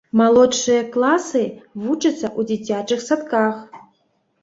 Малодшыя класы вучацца ў дзіцячых садках.